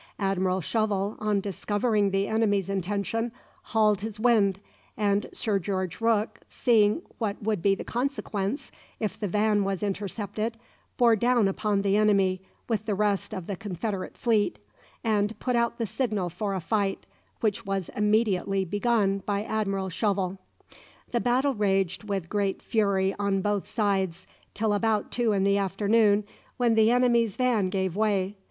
Admiral Shovel, on discovering the enemy's intention, hauled his wind, and Sir George Rooke, seeing what would be the consequence if the van was intercepted, bore down upon the enemy with the rest of the confederate fleet, and put out the signal for a fight, which was immediately begun by Admiral Shovel. The battle raged with great fury on both sides till about two in the afternoon, when the enemy's van gave way.